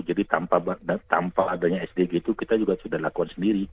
jadi tanpa adanya sdg itu kita juga sudah lakukan sendiri